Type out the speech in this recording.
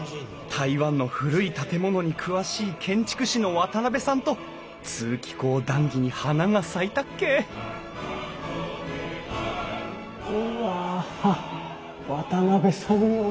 台湾の古い建物に詳しい建築士の渡邉さんと通気口談議に花が咲いたっけうわ渡邉さんに教えてあげたい！